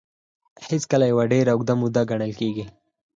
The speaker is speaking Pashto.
هېڅکله يوه ډېره اوږده موده ګڼل کېږي.